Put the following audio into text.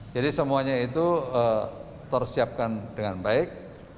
jadi semuanya itu tersiapkan dengan baik